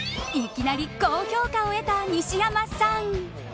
いきなり高評価を得た西山さん。